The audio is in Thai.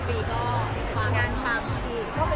พี่วัฒนาจงเยี่ยมเหรอคะ